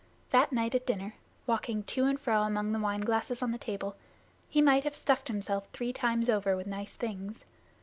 That night at dinner, walking to and fro among the wine glasses on the table, he might have stuffed himself three times over with nice things.